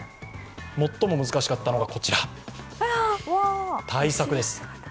最も難しかったのがこちら、大作です。